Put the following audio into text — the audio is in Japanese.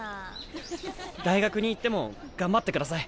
大学に行っても頑張ってください。